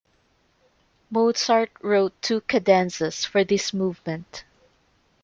Mozart wrote two cadenzas for this movement.